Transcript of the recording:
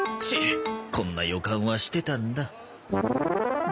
ちぇっこんな予感はしてたんだ。